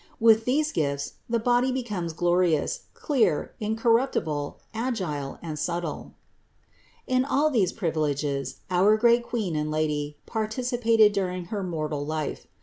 With these gifts the body becomes glorious, clear, incorruptible, agile and subtle. 168. In all these privileges our great Queen and Lady participated during her mortal life.